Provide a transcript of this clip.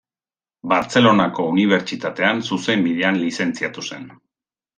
Bartzelonako Unibertsitatean Zuzenbidean lizentziatu zen.